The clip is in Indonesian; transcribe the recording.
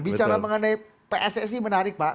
bicara mengenai pssi menarik pak